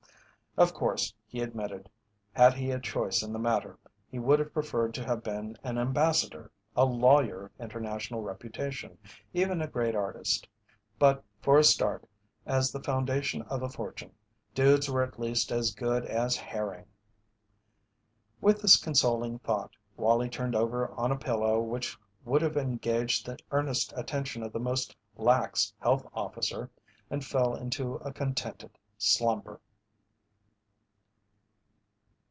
Of course, he admitted, had he a choice in the matter, he would have preferred to have been an ambassador, a lawyer of international reputation, even a great artist; but for a start, as the foundation of a fortune, dudes were at least as good as herring. With this consoling thought, Wallie turned over on a pillow which would have engaged the earnest attention of the most lax health officer, and fell into a contented slumber.